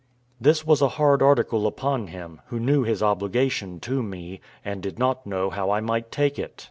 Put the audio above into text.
This was a hard article upon him, who knew his obligation to me, and did not know how I might take it.